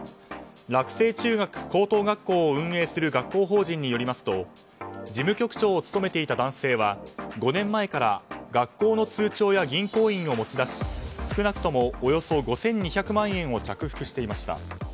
洛星中学・高等学校を運営する学校法人によりますと事務局長を務めていた男性は５年前から学校の通帳や銀行印を持ち出し少なくともおよそ５２００万円を着服していました。